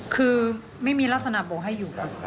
คือไม่มีลักษณะบวกให้อยู่ครับ